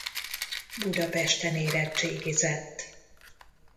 Budapesten érettségizett.